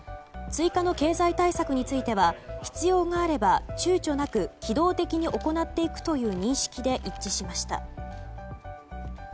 追加の経済対策については必要があれば躊躇なく機動的に行っていくという認識で一致しました。